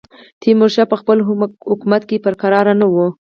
تیمورشاه په خپل حکومت کې پر کراره نه وو.